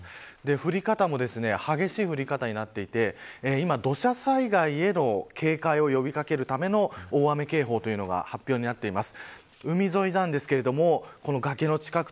降り方も激しい降り方になっていて土砂災害への警戒を呼び掛けるための大雨警報が発表されています。